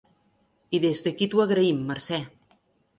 I des d'aquí t'ho agraïm, Mercè.